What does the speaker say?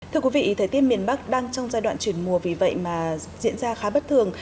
thưa quý vị thời tiết miền bắc đang trong giai đoạn chuyển mùa vì vậy mà diễn ra khá bất thường